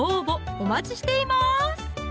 お待ちしています